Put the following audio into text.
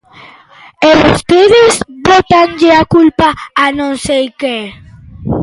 E vostedes bótanlle a culpa a non sei que.